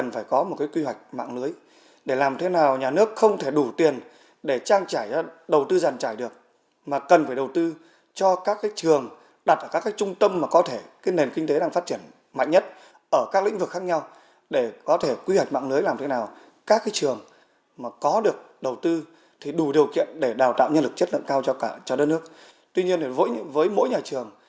với nước tuy nhiên với mỗi nhà trường